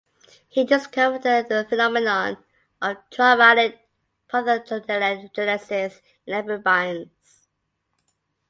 He discovered the phenomenon of traumatic parthenogenesis in amphibians.